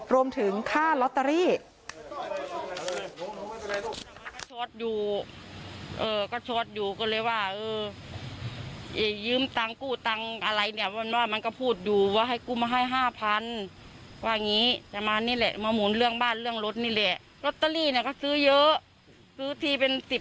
รวมถึงค่าลอตเตอรี่